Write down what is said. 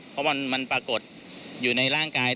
เพราะมันปรากฏอยู่ในร่างกาย